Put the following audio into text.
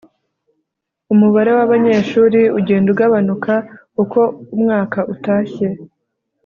umubare wabanyeshuri ugenda ugabanuka uko umwaka utashye